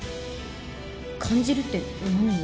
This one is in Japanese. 感じるって何を？